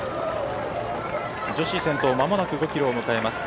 女子先頭間もなく５キロを迎えます。